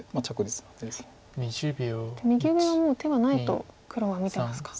じゃあ右上はもう手はないと黒は見てますか。